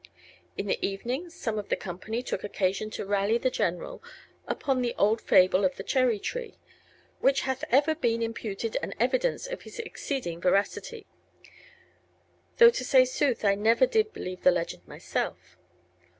In the Evening some of the Companye tooke Occasion to rally the General upon the old Fable of the Cherrye Tree, w'ch hath ever been imputed an Evidence of hys exceeding Veracity, though to saye sooth I never did believe the legend my self.